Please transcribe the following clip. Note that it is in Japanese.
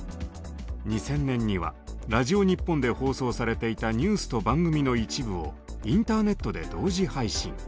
２０００年にはラジオ日本で放送されていたニュースと番組の一部をインターネットで同時配信。